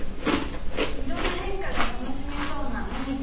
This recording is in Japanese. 色の変化が楽しめそうな紅葉にします。